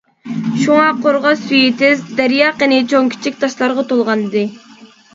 شۇڭا قورغاس سۈيى تېز، دەريا قىنى چوڭ-كىچىك تاشلارغا تولغانىدى.